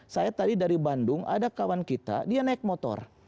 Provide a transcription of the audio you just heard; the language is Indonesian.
saya tadi dari bandung ada kawan kita dia naik motor